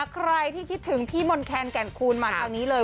ใครที่คิดถึงพี่มนต์แคนแก่นคูณมาทางนี้เลย